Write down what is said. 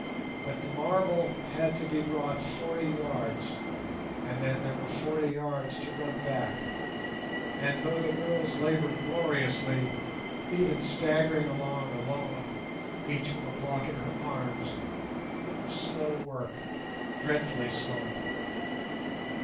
But the marble had to be brought forty yards and then there were forty yards to run back, and though the girls laboured gloriously, even staggering along alone, each with a block in her arms, it was slow work, dreadfully slow.